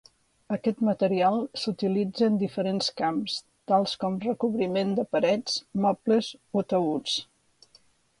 Aquest material s'utilitza en diferents camps tals com recobriment de parets, mobles o taüts.